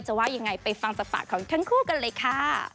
ว่ายังไงไปฟังจากปากของทั้งคู่กันเลยค่ะ